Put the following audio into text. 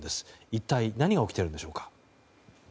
一体何が起きているんでしょうか。